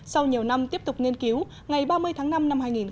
sau nhiều năm tiếp tục nghiên cứu ngày ba mươi tháng năm năm hai nghìn một mươi bảy